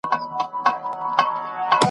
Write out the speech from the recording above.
مهار د اوښ به په خره پسې وي ..